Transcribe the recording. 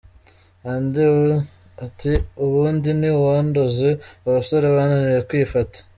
Ati « ubundi ni uwandoze abasore bananiwe kwifata ?».